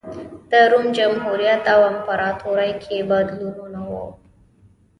د روم جمهوریت او امپراتورۍ کې بدلونونه و